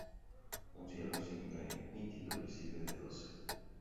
Un cielo siempre nítido le sirve de dosel